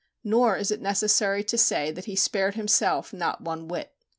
Nor is it necessary to say that he spared himself not one whit.